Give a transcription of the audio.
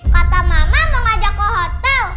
kata mama mau ngajak ke hotel